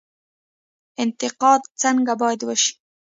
انتقاد څنګه باید وشي؟